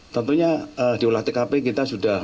tentunya di olah tkp kita sudah